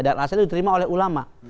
dan alasan itu diterima oleh ulama